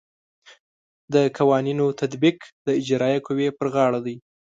د قوانینو تطبیق د اجرائیه قوې پر غاړه دی.